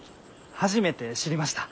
初めて知りました。